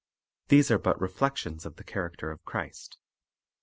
These are but reflections of the character of Christ.